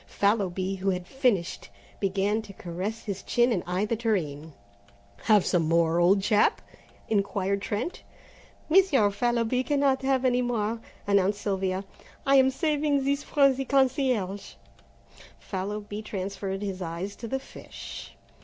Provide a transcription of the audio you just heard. Fallowby, who had finished, began to caress his chin and eye the tureen. "Have some more, old chap?" inquired Trent. "Monsieur Fallowby cannot have any more," announced Sylvia; "I am saving this for the concierge." Fallowby transferred his eyes to the fish.